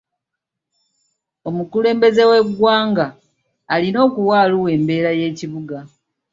Omukulembeze w'eggwanga alina okuwa Arua embeera y'ekibuga.